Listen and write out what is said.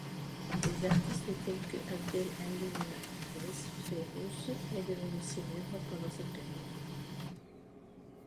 Des artistes tels que Abdel Halim Hafez, Fairuz est devenu célèbre pendant cette période.